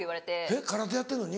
えっ空手やってんのに？